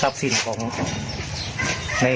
จัดกระบวนพร้อมกัน